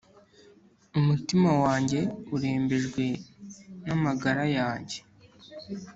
Umutima wanjye urembejwe namagara yanjye